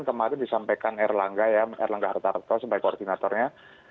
kemarin disampaikan erlangga hartarto sebagai koordinatornya